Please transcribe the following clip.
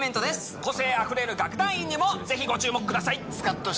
個性あふれる楽団員にもぜひご注目ください。